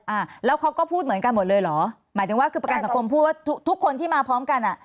อ่าแล้วเขาก็พูดเหมือนกันหมดเลยเหรอหมายถึงว่าคือประกันสังคมพูดว่าทุกทุกคนที่มาพร้อมกันอ่ะ